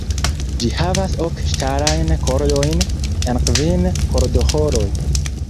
Ĝi havas ok ŝtalajn kordojn en kvin kordoĥoroj.